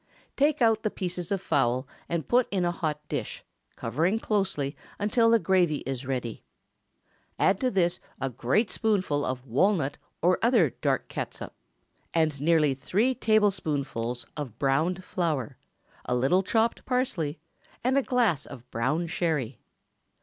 Take out the pieces of fowl and put in a hot dish, covering closely until the gravy is ready. Add to this a great spoonful of walnut or other dark catsup, and nearly three tablespoonfuls of browned flour, a little chopped parsley, and a glass of brown Sherry.